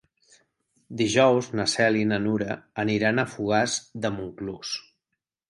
Dijous na Cel i na Nura aniran a Fogars de Montclús.